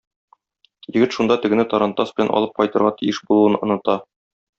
Егет шунда тегене тарантас белән алып кайтырга тиеш булуын оныта.